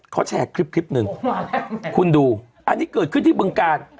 เขาแชร์คลิปคลิปหนึ่งคุณดูอันนี้เกิดขึ้นที่บึงการ